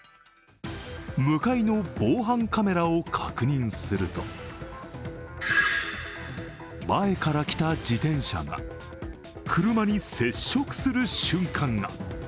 向かいの防犯カメラを確認すると前から来た自転車が車に接触する瞬間が。